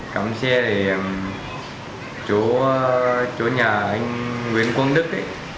cầm xe thì chỗ nhà anh nguyễn quang đức